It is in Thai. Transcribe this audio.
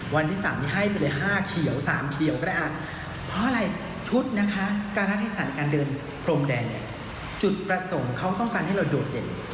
วันที่๓นี้ให้ไปเลย๕เขียว๓เขียวก็ได้เพราะอะไรชุดนะคะการรัฐศาสตร์การเดินพรมแดนเนี่ยจุดประสงค์เขาต้องการให้เราโดดเด่น